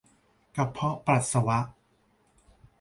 กระเพาะปัสสาวะ